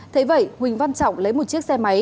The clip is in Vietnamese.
thế vậy huỳnh văn trọng lấy một chiếc xe máy